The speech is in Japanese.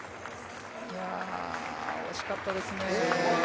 惜しかったですね。